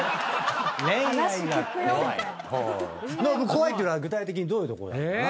怖いっていうのは具体的にどういうところなのかな？